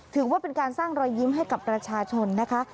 ถือว่าเป็นการสร้างรอยยิ้มให้กับประชาชนนะคะ